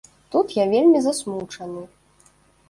Тут я вельмі засмучаны.